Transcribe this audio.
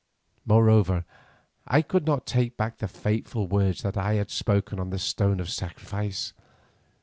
Moreover, I could not take back the fateful words that I had spoken on the stone of sacrifice.